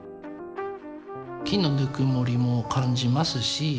木のぬくもりも感じますし。